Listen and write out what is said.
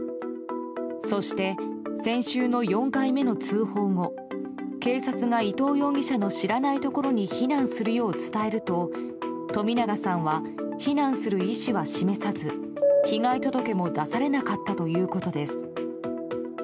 そして先週の４回目の通報後警察が伊藤容疑者の知らないところに避難するよう伝えると冨永さんは避難する意思は示さず被害届も出されなかったということです。